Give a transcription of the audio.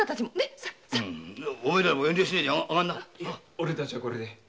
オレたちはこれで。